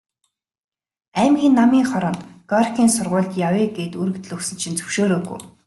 Аймгийн Намын хороонд Горькийн сургуульд явъя гээд өргөдөл өгсөн чинь зөвшөөрөөгүй.